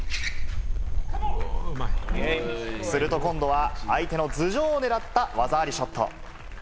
すると今度は相手の頭上を狙った技ありショット。